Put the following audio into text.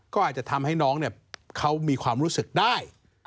ก็อาจจะทำให้น้องเขามีความรู้สึกได้